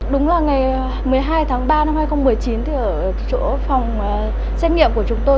đúng là ngày một mươi hai tháng ba năm hai nghìn một mươi chín thì ở chỗ phòng xét nghiệm của chúng tôi